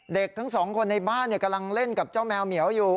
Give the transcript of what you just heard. เด็กทั้งสองคนในบ้านกำลังเล่นกับเจ้าแมวเหมียวอยู่